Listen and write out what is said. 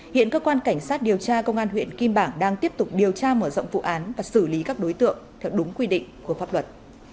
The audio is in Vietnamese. hiện cơ quan cảnh sát điều tra công an huyện kim bảng đang tiếp tục điều tra mở rộng vụ án và xử lý các đối tượng theo đúng quy định của pháp luật